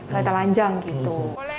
mata lanjang gitu